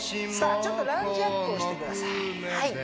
ちょっとランジアップをしてください